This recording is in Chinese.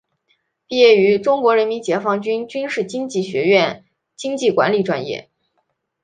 毕业于中国人民解放军军事经济学院经济管理专业。